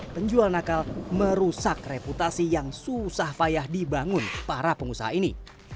penjual nakal merusak reputasi yang susah payah dibangun para pengusaha ini